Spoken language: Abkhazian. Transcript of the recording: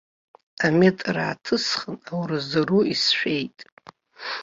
Аметр ааҭысхын ауразоуроу исшәеит.